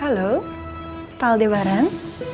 halo pak aldebaran